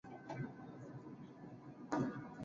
Inabidi tu uendelee